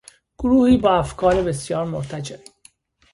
گروهی با افکار بسیار مرتجع